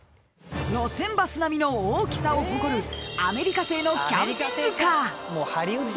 ［路線バス並みの大きさを誇るアメリカ製のキャンピングカー］